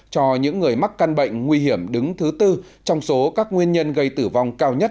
cho những người mắc căn bệnh nguy hiểm đứng thứ tư trong số các nguyên nhân gây tử vong cao nhất